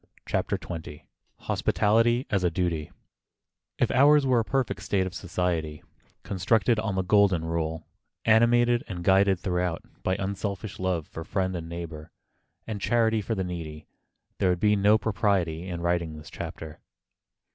CHAPTER XX HOSPITALITY AS A DUTY IF ours were a perfect state of society, constructed on the Golden Rule, animated and guided throughout by unselfish love for friend and neighbor, and charity for the needy, there would be no propriety in writing this chapter.